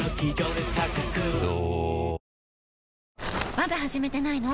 まだ始めてないの？